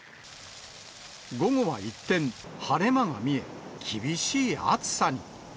午後は一転、晴れ間が見え、厳しい暑さに。